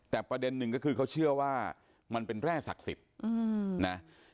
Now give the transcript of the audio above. แต่ประเด็นหนึ่งก็คือเขาเชื่อว่ามันเป็นแร่ศักดิ์สิทธิ์นะ